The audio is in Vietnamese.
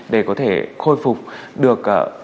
để có thể khôi phục được